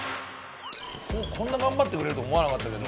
こんな頑張ってくれると思わなかったけど。